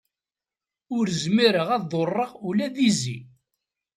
Ur zmireɣ ad ḍurreɣ ula d izi.